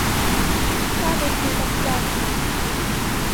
Сабашьуеит абжьаӡра!